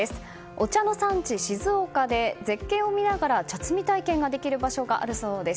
お茶の産地・静岡で絶景を見ながら茶摘み体験ができる場所があるそうです。